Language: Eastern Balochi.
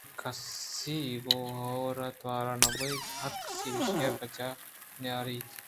بلئے کس ءَ گوں ہور ءُتور نہ بیت ءُہرکس ایشیءَ پجّاہ نیاریت